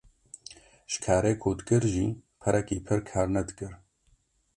Ji karê ku dikir jî perekî pir kar nedikir